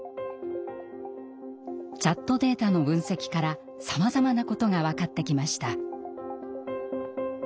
チャットデータの分析からさまざまなことが分かってきました。